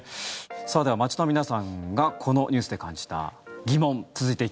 では、街の皆さんがこのニュースで感じた疑問。